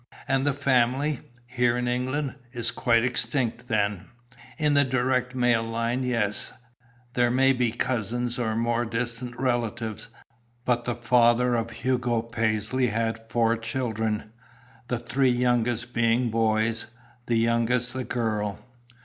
"And the family, here in England, is quite extinct, then?" "In the direct male line, yes. There may be cousins, or more distant relatives, but the father of Hugo Paisley had four children, the three eldest being boys, the youngest a girl.